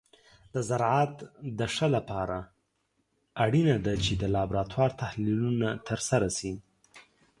د زراعت د ښه لپاره اړینه ده چې د لابراتور تحلیلونه ترسره شي.